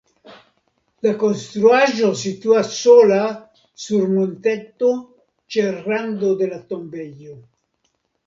La konstruaĵo situas sola sur monteto ĉe rando de la tombejo.